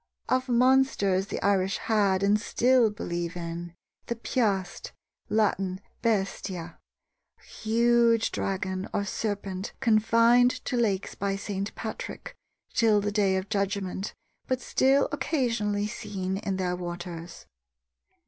Of monsters the Irish had, and still believe in, the Piast (Latin bestia), a huge dragon or serpent confined to lakes by St. Patrick till the day of judgment, but still occasionally seen in their waters.